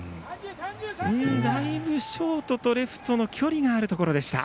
だいぶショートとレフトの距離があるところでした。